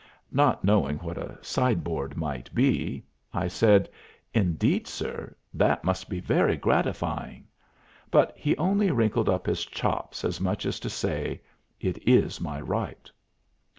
Not knowing what a sideboard might be, I said, "Indeed, sir, that must be very gratifying." But he only wrinkled up his chops as much as to say, "It is my right."